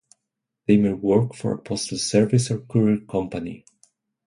They may work for a postal service or courier company.